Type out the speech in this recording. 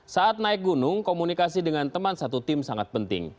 saat naik gunung komunikasi dengan teman satu tim sangat penting